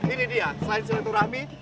ini dia selain seluruh turahmi